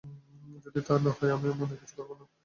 যদি তা না হয়, আমিও মনে কিছু করবো না।